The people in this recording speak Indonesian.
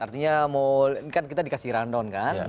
artinya mau ini kan kita dikasih rundown kan